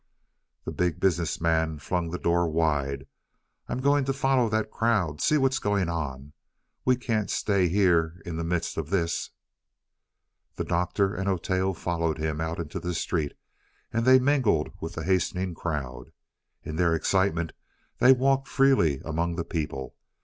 The Big Business Man flung the door wide. "I'm going to follow that crowd. See what's going on. We can't stay here in the midst of this." The Doctor and Oteo followed him out into the street, and they mingled with the hastening crowd. In their excitement they walked freely among the people.